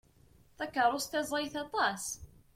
Takeṛṛust-a ẓẓayet aṭas.